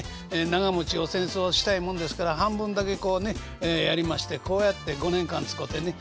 長もちを扇子をしたいもんですから半分だけこうねやりましてこうやって５年間使てね